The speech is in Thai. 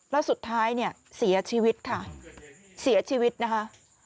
แล้วสุดท้ายเนี่ยเสียชีวิตค่ะเสียชีวิตนะคะ